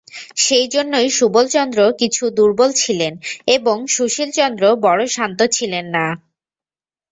সেইজন্যই সুবলচন্দ্র কিছু দুর্বল ছিলেন এবং সুশীলচন্দ্র বড়ো শান্ত ছিলেন না।